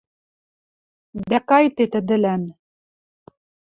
Дӓ кайде тӹдӹлӓн